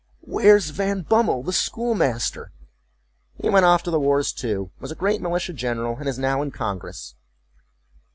"Where's Van Bummel, the schoolmaster?""He went off to the wars too, was a great militia general, and is now in congress."